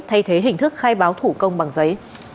thay thế hình thức khai báo thủ công bằng giấy